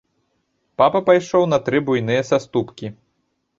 Папа пайшоў на тры буйныя саступкі.